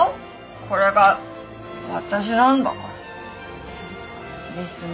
これが私なんだから。ですね。